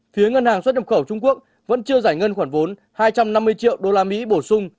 phía ngân hàng xuất nhập khẩu trung quốc vẫn chưa giải ngân khoản vốn hai trăm năm mươi triệu đô la mỹ bổ sung